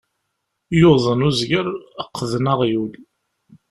Yuḍen uzger, qqden aɣyul.